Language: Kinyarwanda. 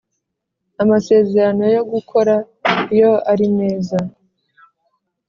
amasezerano yo gukora iyo ari meza